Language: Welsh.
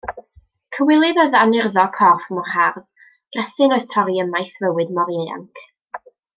Cywilydd oedd anurddo corff mor hardd; gresyn oedd torri ymaith fywyd mor ieuanc.